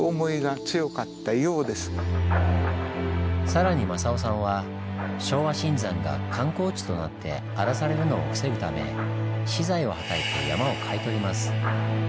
更に正夫さんは昭和新山が観光地となって荒らされるのを防ぐため私財をはたいて山を買い取ります。